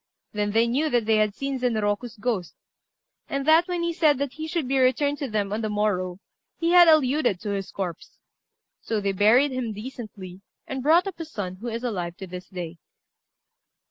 Then they knew that they had seen Zenroku's ghost; and that when he said that he should be returned to them on the morrow, he had alluded to his corpse. So they buried him decently, and brought up his son, who is alive to this day.